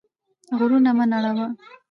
غرونه مه نړوه.